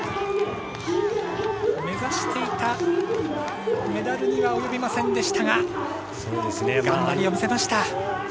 目指していたメダルには及びませんでしたが頑張りを見せました。